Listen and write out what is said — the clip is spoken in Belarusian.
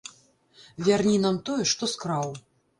Вярні нам тое, што скраў.